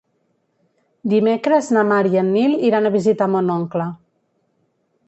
Dimecres na Mar i en Nil iran a visitar mon oncle.